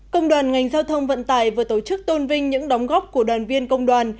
công đoàn ngành giao thông vận tải vừa tổ chức tôn vinh những đóng góp của đoàn viên công đoàn